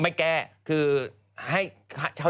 ไม่แก้คือ